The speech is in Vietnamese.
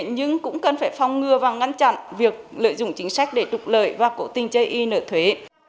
nhưng cũng cần phải phong ngừa và ngăn chặn việc lợi dụng chính sách để trục lợi và cố tình chây y nợ thuế